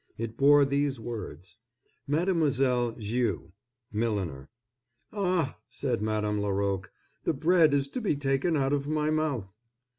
It bore these words: "Mademoiselle Viau, Milliner." "Ah!" said Madame Laroque, "the bread is to be taken out of my mouth."